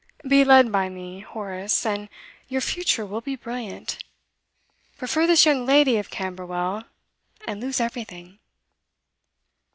Be led by me, Horace, and your future will be brilliant. Prefer this young lady of Camberwell, and lose everything.